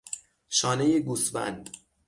شانهی گوسفند